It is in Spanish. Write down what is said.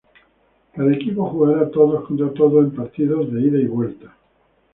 Cada equipo jugara todos contra todos en partidos de ida y vuelta.